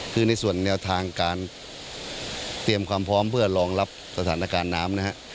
คือในส่วนแนวทางการเตรียมความพร้อมเพื่อรองรับสถานการณ์น้ำนะฮะ